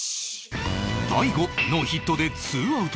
大悟ノーヒットでツーアウト